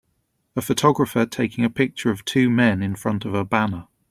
A photographer taking a picture of two men in front of a banner.